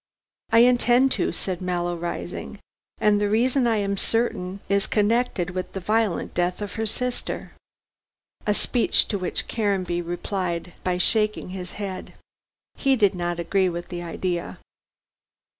"I intend to," said Mallow rising, "and the reason I am certain is connected with the violent death of her sister!" A speech to which Caranby replied by shaking his head. He did not agree with the idea.